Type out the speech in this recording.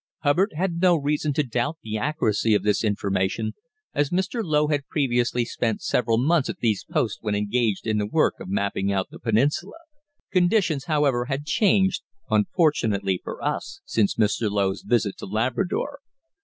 Hubbard had no reason to doubt the accuracy of this information, as Mr. Low had previously spent several months at these posts when engaged in the work of mapping out the peninsula. Conditions, however, had changed, unfortunately for us, since Mr. Low's visit to Labrador.